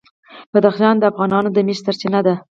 بدخشان د افغانانو د معیشت سرچینه ده.